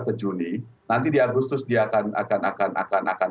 ke juli nanti di agustus dia akan